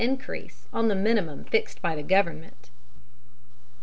increase on the minimum fixed by the Government.